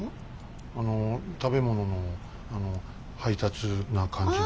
あの食べ物のあの配達な感じの。